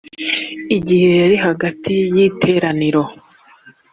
igihe yari hagati y iteraniro